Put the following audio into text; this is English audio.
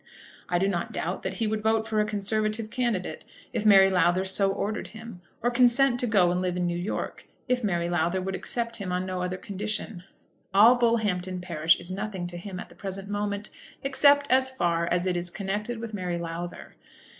I do not doubt that he would vote for a conservative candidate if Mary Lowther so ordered him; or consent to go and live in New York if Mary Lowther would accept him on no other condition. All Bullhampton parish is nothing to him at the present moment, except as far as it is connected with Mary Lowther.